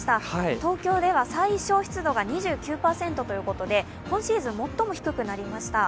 東京では最小湿度が２９％ということで今シーズン最も低くなりました。